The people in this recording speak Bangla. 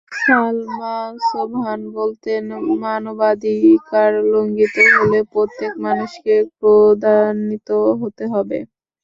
সালমা সোবহান বলতেন, মানবাধিকার লঙ্ঘিত হলে প্রত্যেক মানুষকে ক্রোধান্বিত হতে হবে।